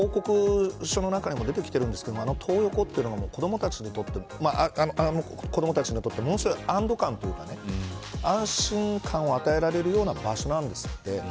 報告書の中にも出てきているんですがトー横というのは子どもたちにとってものすごい安堵感というか安心感を与えられるような場所なんですって。